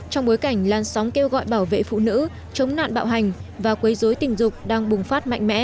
trong bối cảnh lan sóng kêu gọi bảo vệ phụ nữ chống nạn bạo hành và quấy dối tình dục đang bùng phát mạnh mẽ